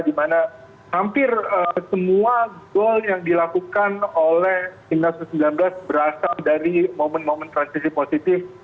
dimana hampir semua gol yang dilakukan oleh timnas u sembilan belas berasal dari momen momen transisi positif